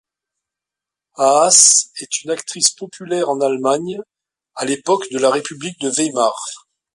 Haas est une actrice populaire en Allemagne à l'époque de la République de Weimar.